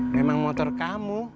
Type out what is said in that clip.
memang motor kamu